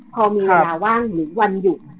พอมีเวลาว่างหรือวันหยุด